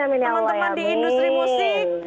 teman teman di industri musik